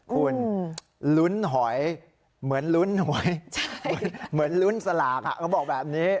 คุณลุ้นหอยเหมือนลุ้นหวยเหมือนลุ้นสลากเขาบอกแบบนี้